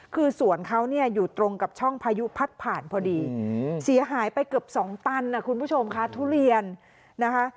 คือสวนเขาเนี่ยอยู่ตรงกับช่องพายุพัดผ่านพอดีเสียหายไปเกือบ๒ตันนะคุณผู้ชมค่ะทุเรียนนะคะ